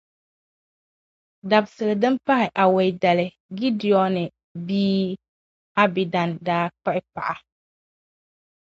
Dabisili din pahi awɛi dali, Gidiɔni bia Abidan daa kpuɣi paɣa.